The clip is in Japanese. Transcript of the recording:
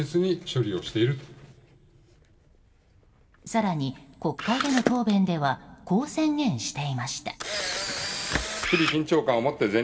更に国会での答弁ではこう宣言していました。